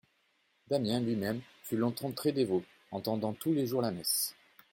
Damiens lui-même fut longtemps très-dévot, entendant tous les jours la messe.